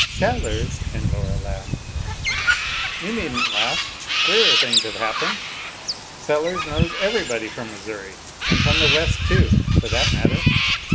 "Sellers!" and Laura laughed. "You needn't laugh. Queerer things have happened. Sellers knows everybody from Missouri, and from the West, too, for that matter.